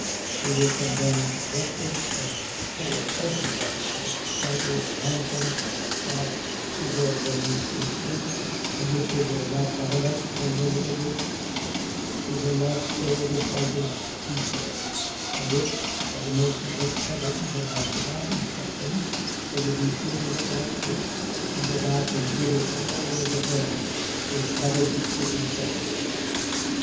They will come down to breakfast and bore everybody with a recital of the nonsense that has passed through their brains in sleep, as if they were not bad enough when they were awake; they will not spare the slightest detail; and if, by the mercy of Heaven, they have forgotten something, they will be sure to recollect it, and go back and give it all over again with added circumstance.